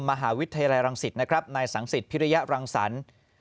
มหาวิทยาลัยรังสิทธิ์ในสังสิทธิ์ภิริยารังสรรค์